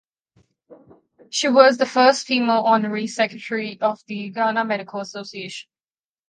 She was the first female Honorary Secretary of the Ghana Medical Association.